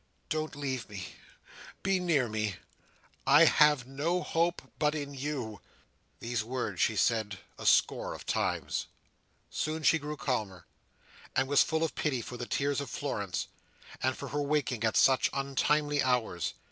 "Don't leave me! be near me! I have no hope but in you!" These words she said a score of times. Soon she grew calmer, and was full of pity for the tears of Florence, and for her waking at such untimely hours.